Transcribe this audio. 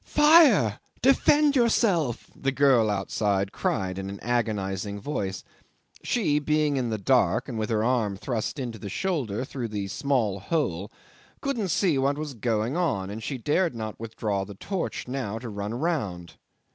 "Fire! Defend yourself," the girl outside cried in an agonising voice. She, being in the dark and with her arm thrust in to the shoulder through the small hole, couldn't see what was going on, and she dared not withdraw the torch now to run round.